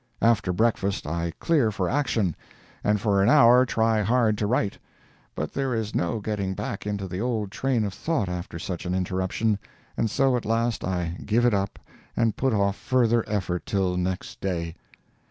After breakfast I clear for action, and for an hour try hard to write; but there is no getting back into the old train of thought after such an interruption, and so at last I give it up and put off further effort till next day.